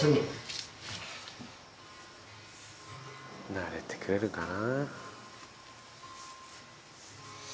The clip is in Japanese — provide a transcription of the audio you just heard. なれてくれるかな？